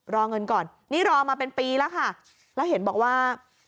รอเงินก่อนนี่รอมาเป็นปีแล้วค่ะแล้วเห็นบอกว่า